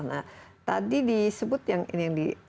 nah tadi disebut yang ini di rumah sakit